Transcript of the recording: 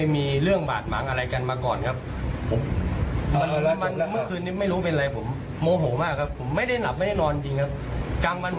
โมโหมากครับผมไม่ได้หลับไม่ได้นอนจริงครับกลางวันผม